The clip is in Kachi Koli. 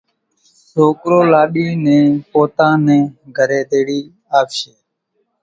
سوڪرو لاڏِي نين پوتا نين گھرين تيڙي آوشي